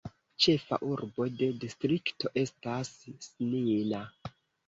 Ĉefa urbo de distrikto estas Snina.